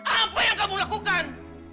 apa yang kamu lakukan